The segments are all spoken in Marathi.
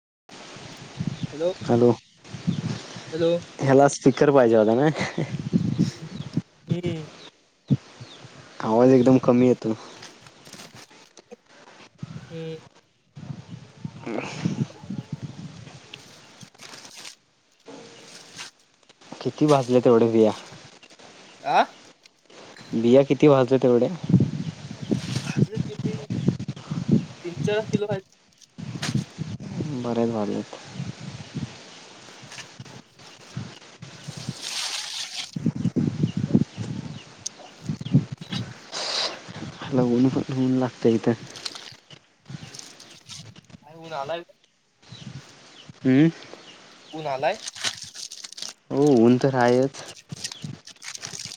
[inaudible] हॅलो, हॅलो ह्याला स्पीकर पाहिजे होता ना. हम्म आवाज एकदम कमी येतो. हम कितीवाजल्यात एवढा व्हायला आं बिया किती घावतात तेवढ्या भाजली किती तीन चार किलो आहेत खरच वाजलेत ह्याला ऊन ऊन लागते इथ का उन्हालाय हम्म ऊन आलंय हो ऊन तर आहेच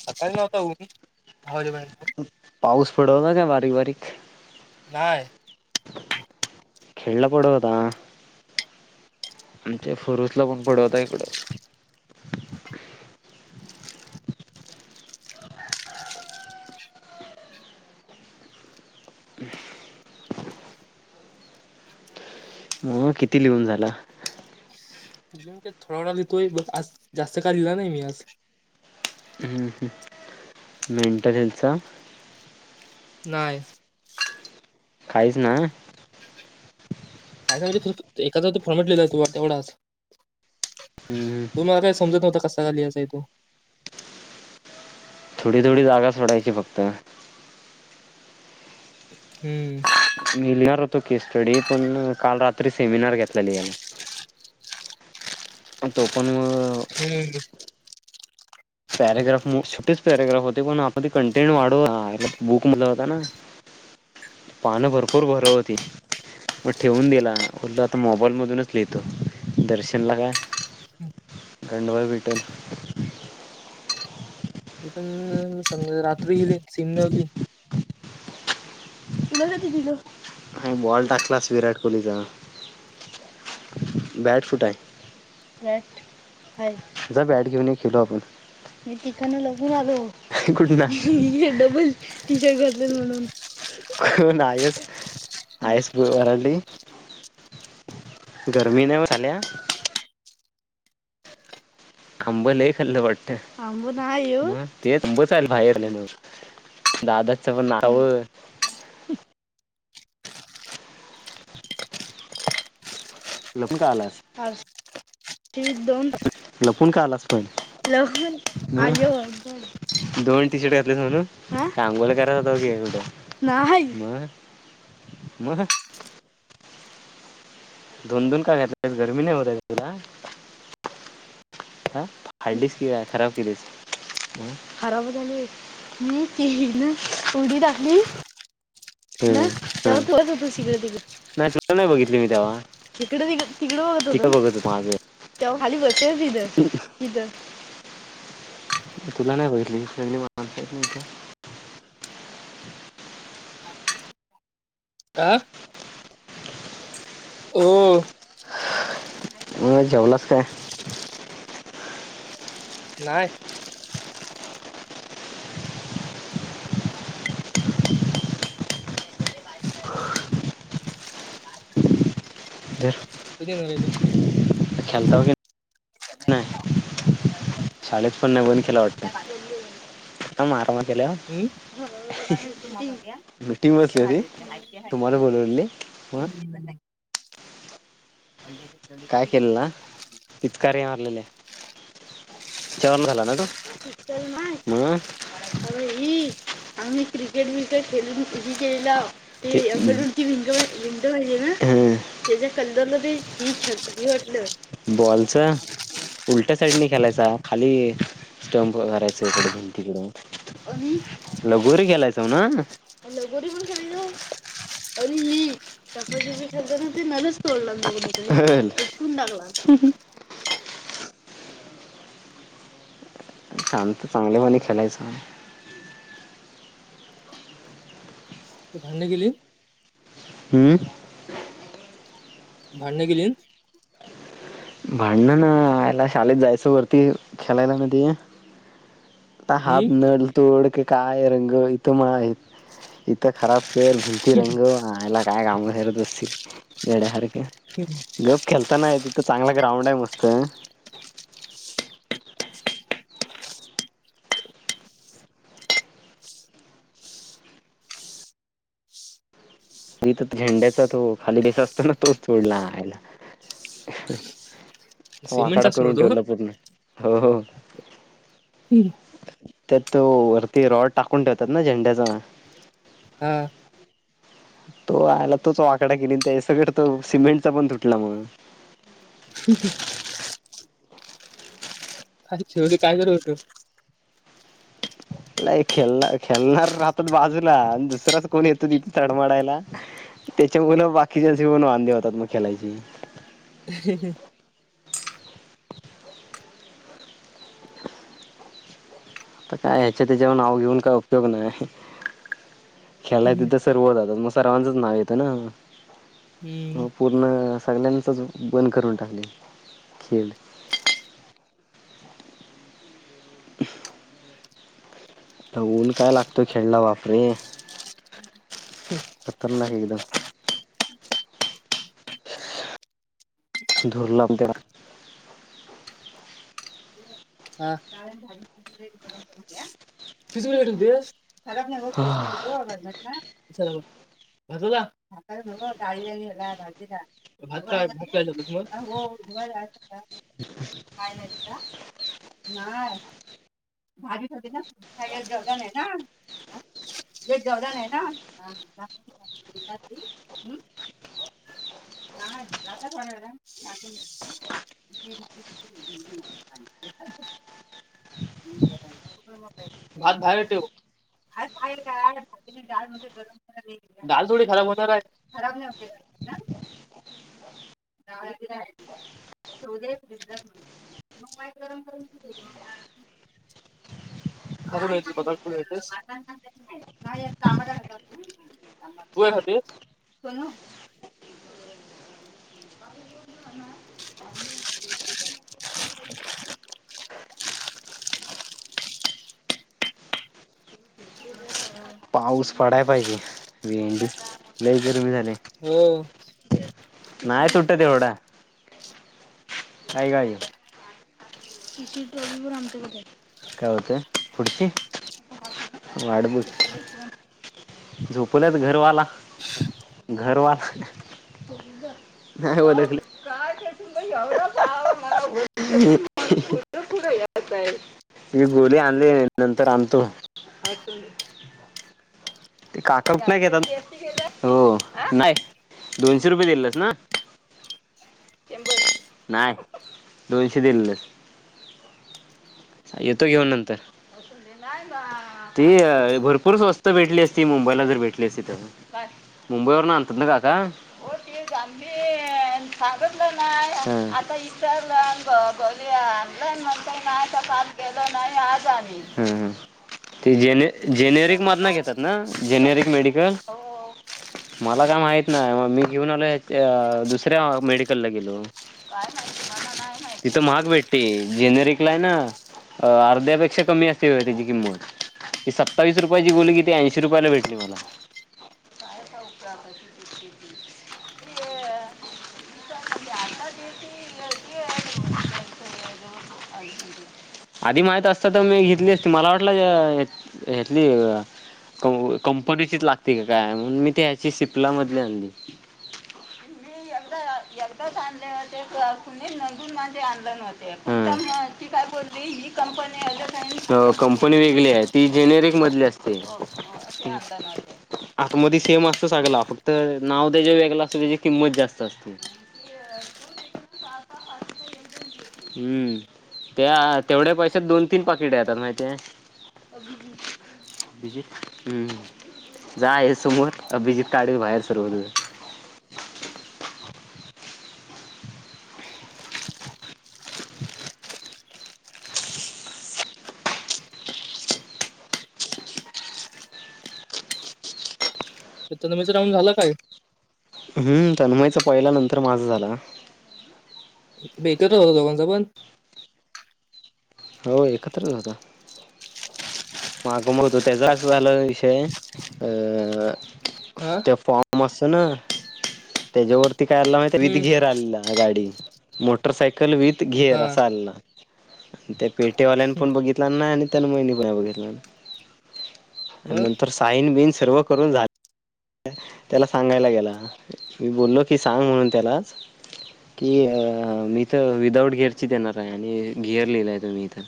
सकाळी नव्हता हो दहा वाजेपर्यंत पाऊस पडता काय बारीक बारीक नाहीय खेड ला पडतं होता आमचे फरूसलापण पडत होता इकडं हो किती लिहून झालं थोडा वेळाा लिहोय बघ आज जास्त का लिहीला नाही मी आज मेंटल हेल्थचा नाही खाईच नाय काय सांग एकाचा फॉर्मेट लिहिला तो तेवढाच, तो मला काय समजत नव्हता कसा का लिहायचा आहे तो थोडी थोडी जागा सोडायची फक्त हम्म मी लिहीणार होतो केसस्टडी पण काल रात्री सेमिनार घेतला लिहायला. तो पण म हम्म पॅरग्राफ, छोटेच पॅरग्राफ होते पण आपण ते कंटेंट वाढवला बुक मध्ये होता ना पानं भरपूर भर होती मग ठेवून दिला, उरलं आता मोबाईल मधूनच लिहितो, दर्शनला काय गंडवायला भेटल. हे पण समजा रात्री जर सीम लावली. बॉल टाकलास विराट कोहलीचा, बॅट कुट आहे. बॅट आहे. जा बॅट घेऊन ये खेलु आपण. मी ईकडन लपून आलो. कुठून अशी. ही ही ही डबल टी शर्ट घातला म्हणून कोण आयस, आयस पण ओराडली, गरमी नाही ओ झाल्या. आंब लय खाल्लं वाटत. तेच आंबच आहे बाहेर. दादाच पण नाव लपुन का आलास? आस, दिड-दोन, लपून का आलास पण, लपुन आयो, दोन टी-शर्ट घातलीस म्हणून, सांगयला कारण होत मी होतो म्हणून. नाही. म म दोन दोन काळ घातले, गरमी नाही होत तुला? फाडलीस की काय, खराब केलीस. खराब झालीये. मी ते हे ना उडी टाकली. हो तिकड, तेव्हा तिकडेच होतो मी. तिकड नाही बघितली मी तेव्हा. तिकड होतो मी. तिकड बघत माझ, तेव्हा खाली बसली तिथ तिथ. तुला नाही बघितली. का? ओ म जेवलास काय? नाही. तर कधी वर येतो. खेलता की नाही. शाळेत पण नाही बन खेला वाटत, मारवा ह् बाजूच कुटुंबात या, मिटिंग बसली होती. हाय तर हाय तुम्हाला बोलवलेली. मग [inaudible] काय केल ना तरी हारलेले झाला ना त, तर नाय, म, आम्ही, आम्ही क्रिकेट विकेट खेलुन उभी केल, ते आमच्या रूमची विंडो विंडो राहिली ना, त्याच्या समोर मध्ये ही छुपली वाटतं, बॉलच! उलट्या साईडने खेलायचा. खाली स्टमप करायच इकडे भिंतीकड लगोरी खेळायचो ना. लगोरी पण खेळायचो, अरे हे लपाछपी खेळाताना नळच तोडला मी तिकडे उपटून टाकला. ह ह शांत, चांगल्यावाणी खेळायचं. भांडण केली? हम्म. भांडण केलीत? भांडण ना, आयला शाळेत जायचो वरती, खेळायला मध्ये त हाच हम्म नळ तोड की काय रंग, इथं मळ आहे, इथं खराब घर भिंती रंगव आयला. काय काम करत बसती येड्यासारखं. गप खेल त्याना येत. तो चांगला ग्राउंड आहे मस्त मी तर झेंड्याचा तो खाली [unintelligible] दिस असतो ना तोच सोडला हाय वाकडा सिमेंटचा असतो ना करून तो ठेवला पूर्ण ह ह त्यात तो वरती रॉड टाकून ठेवतात ना झेंड्याचा हा तो आला तोच वाकडा केली त्याच्या सकट तो सिमेंटचा पण तुटला म्म हक [inaudible] शेवटी काय करत होतो नाही खेल खेलणार राहतात बाजूला आणि दुसराच कोण येतो इथे तडमडायला त्याच्यामुलं बाकीच्याचे पण वांधे होतात मग खेलायचे. हं हं [inaudible] आ काय ह्याच्या त्याच्यावर नाव घेऊन काय उपयोग नाय खेलाय हम्म तर सर्व म सर्वाचच. नाव येत ना हम्म हो पूर्ण सगल्याचाच बंद करून टाकले खेल तर ऊन काय लागतो खेडला बापरे! खतरनाक एकदम धुर लांब [unintelligible] हा कितीला भेटल ते खराब नाय होत [unintelligible] [inaudible] [unintelligible] काय कायनाय नाय भाजी ठेवलीय ना हा जेवला नाय ना [unintelligible] [inaudible] भात बाहेर ठेव भात बाहेर काय डाल थोडी गरम [inaudible] डाल थोडी खराब होणार हाय खब नाहीते डा खून यायच पदार् यायच [unintelligible] [inaudible] [inaudible] ह [inaudible] पाऊस पडाय पाहिजे भेंडी लई हिरवी झाली [inaudible] नाय तुटत एवढा काय ग आय [unintelligible] काय होतय पुढची वाट ब झोपल्यात घरवाला घरवाला नाही बखले [unintelligible] [inaudible] मी गोली आणलीय नंतर आणतो [inaudible] ते काकास नाही येतात हो नाय दोनशे रुपये दिलेस ना शंभर रुपये नाय दोनशे दिलस येतो घेऊन नंतर ते भरपूर स्वस्त भेटली असती ती मुंबईला जर भेटली असती तर मुंबईवरन आणतात ना काका [unintelligible] कांदे आ सांगतल नाय आता इथ [unintelligible] ह ह ते जेनेटिक मधना घेतात ना जेनेरिक मेडिकल मला काय माहित नाही मी घेऊन आलो दुसऱ्या मेडिकलला गेलो तिथ महाग भेटते जेनेरिकला यना अर्ध्यापेक्षा कमी असते त्याची किंमत सतावीस रुपयाची गोली किती ऐशी रुपयाला भेटली मला [unintelligible] आधी माहित असत तर मी घेतली मला वाटल ह्यातली कंपनीचीच लागते की काय म्हण मी ह्याची सिपला मधली आणली. मी एकदाच आणलेले [unintelligible] कंपनी वेगळी आहे ती जेनेरिक मधली असते आत मधी सेम असतो सगला फक्त नाव त्याचा वेगळा असतो त्याची किंमत जास्त असते हम्म त्या [unintelligible] तेवढ्या पैशात दोन तीन पाकिट येतात माहीतीय हम्म जा आहे, समोर अभिजीत काढवे बाहेर सर्व [unintelligible] झाला काय हम्म तन्मयच पहिल नंतर माझं झालं ह [unintelligible] बेकत होत दोघांच पण हो एकत्रच होत माग होतो त्याचा असं झालं विषय अ आ मसन त्याच्यावर [unintelligible] ते काय अल्ल विथ हम्म गेर आला गाडी मोटरसायकल विथ गेर हा असं आलेलं [unintelligible] त्या पेठेवाल्यां पण बघितलन नाय आणि तन्मयनी पण नाय बघितलन. मग नंतर साईन बीन सर्व करून झाले. त्याला सांगायला गेला मी बोललो की सांग म्हणून त्यालाच कि अ मी त विदाऊट गिअर ची देणार आहे त्याला सांगायला गेला मी बोललो की सांग मनून तेला की इथं विदाउट गेर ची आणि गीअर लिहिलाय तुम्ही इथ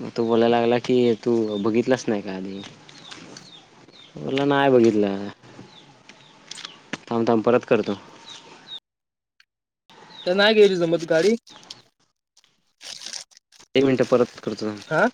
मग तो बोलायला लागला की तू बघितलास नाही का आधी? मी बोलला नाय बघितला. थांब थांब परत करतो. तर नाय घ्यायची जमत गाडी. एक मिनटं परत करतो. हा